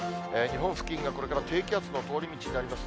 日本付近はこれから低気圧の通り道になります。